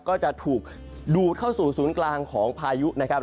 ก็จะถูกดูดเข้าสู่ศูนย์กลางของพายุนะครับ